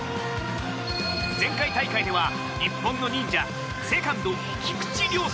前回大会では、日本の忍者セカンド、菊池涼介。